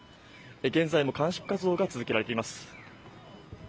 現在も鑑識活動が続けられています。